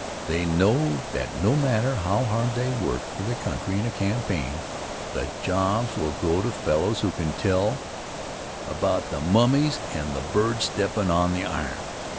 They know that no matter how hard they work for their country in a campaign, the jobs will go to fellows who can tell about the mummies and the bird steppin' on the iron.